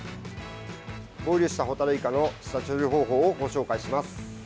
ボイルしたホタルイカの下処理方法をご紹介します。